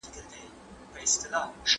د لاس پرې کول د غلا د جرړې ايستل دي.